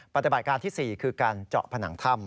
ปฏิบัติการที่๔คือการเจาะผนังถ้ำ